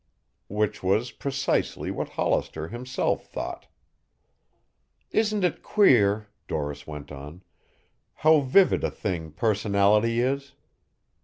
Which was precisely what Hollister himself thought. "Isn't it queer," Doris went on, "how vivid a thing personality is?